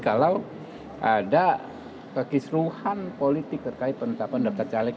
kalau ada kekisruhan politik terkait penetapan daftar caleg